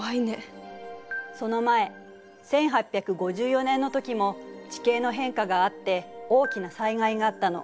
その前１８５４年の時も地形の変化があって大きな災害があったの。